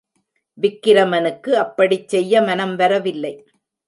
விக்கிரமனுக்கு அப்படிச் செய்ய மனம் வரவில்லை.